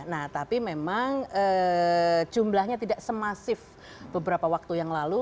nah tapi memang jumlahnya tidak semasif beberapa waktu yang lalu